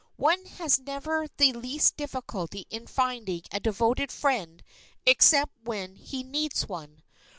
One has never the least difficulty in finding a devoted friend except when he needs one.